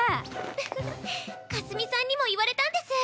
フフフッかすみさんにも言われたんです。